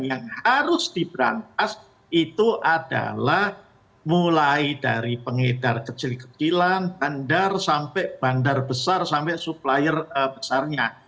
yang harus diberantas itu adalah mulai dari pengedar kecil kecilan bandar sampai bandar besar sampai supplier besarnya